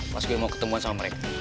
pas gue mau ketemuan sama mereka